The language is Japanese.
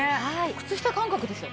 靴下感覚ですよ。